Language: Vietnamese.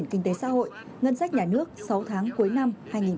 kế hoạch kinh tế xã hội ngân sách nhà nước sáu tháng cuối năm hai nghìn hai mươi một